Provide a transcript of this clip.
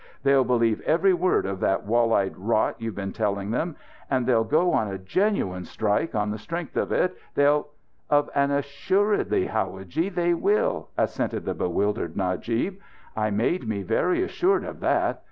They'll believe every word of that wall eyed rot you've been telling them! And they'll go on a genuine strike on the strength of it. They'll " "Of an assuredly, howadji, they will," assented the bewildered Najib. "I made me very assured of that.